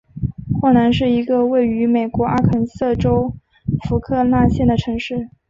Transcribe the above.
霍兰是一个位于美国阿肯色州福克纳县的城市。